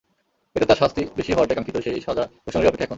এতে তাঁর শাস্তি বেশি হওয়াটাই কাঙ্ক্ষিত, সেই সাজা ঘোষণারই অপেক্ষা এখন।